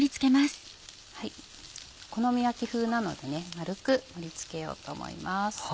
お好み焼き風なのでまるく盛り付けようと思います。